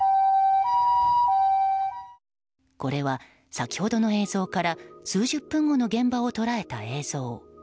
これは先ほどの映像から数十分後の現場を捉えた映像。